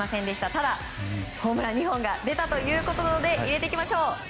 ただ、ホームラン２本が出たということで入れていきましょう。